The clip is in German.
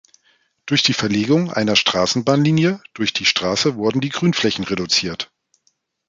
Durch die Verlegung einer Straßenbahnlinie durch die Straße wurden die Grünflächen reduziert.